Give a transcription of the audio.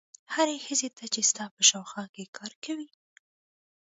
هرې ښځې ته چې ستا په شاوخوا کې کار کوي.